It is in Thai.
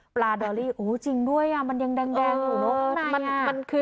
ปลาดอรี่อ๋อจริงด้วยมันยังแดงอยู่ครั้งใน